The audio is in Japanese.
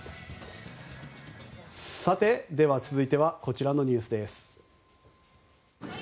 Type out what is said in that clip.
では続いてはこちらのニュースです。